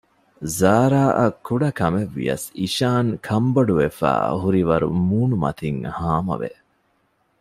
ޒާރާއަށް ކުޑަކަމެއްވިޔަސް އިޝާން ކަންބޮޑުވަފައި ހުރިވަރު މޫނުމަތިން ހާމަވެ